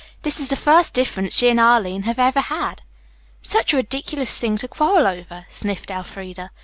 This is the first difference she and Arline have ever had." "Such a ridiculous thing to quarrel over," sniffed Elfreda.